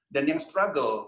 dan yang struggle